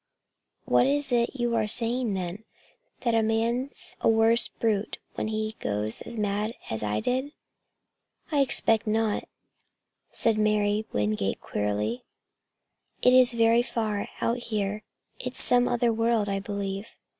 "What is it you are saying then that a man's a worse brute when he goes mad, as I did?" "I expect not," said Molly Wingate queerly. "It is very far, out here. It's some other world, I believe.